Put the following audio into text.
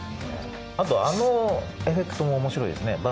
あとあのエフェクトも面白いですね